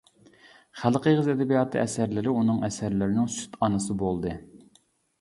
خەلق ئېغىز ئەدەبىياتى ئەسەرلىرى ئۇنىڭ ئەسەرلىرىنىڭ سۈت ئانىسى بولدى.